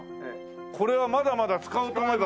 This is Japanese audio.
これはまだまだ使おうと思えば。